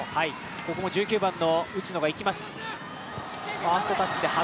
ここも１９番の内野がいきます。